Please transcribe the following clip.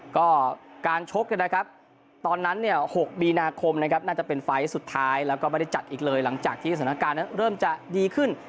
ก็การชกตอนนั้น๖มีนาคมนะครับน่าจะเป็นไฟล์สุดท้ายแล้วก็ไม่ได้จัดอีกเลยหลังจากที่สถานการณ์นั้นเริ่มจะดีขึ้น